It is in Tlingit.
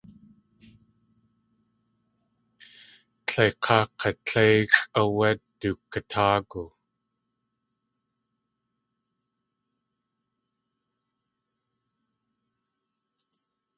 Tleik̲áa k̲a tléixʼ áwé du katáagu.